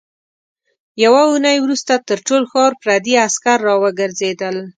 يوه اوونۍ وروسته تر ټول ښار پردي عسکر راوګرځېدل.